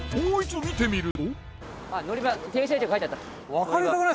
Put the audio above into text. もう一度見てみると。